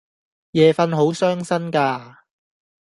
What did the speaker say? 夜訓好傷身架